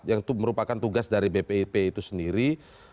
yang merupakan tugas dari bpip itu sendiri